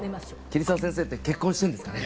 桐沢先生って結婚してるんですかね？